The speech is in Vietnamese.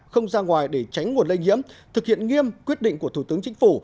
không ra ngoài để tránh nguồn lây nhiễm thực hiện nghiêm quyết định của thủ tướng chính phủ